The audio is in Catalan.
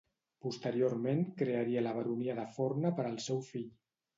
Posteriorment crearia la baronia de Forna per al seu fill.